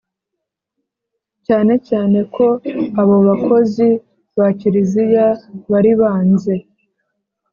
cyane cyane ko abo bakozi ba kiliziya bari banze